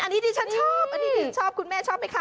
อันนี้ที่ฉันชอบอันนี้ดิฉันชอบคุณแม่ชอบไหมคะ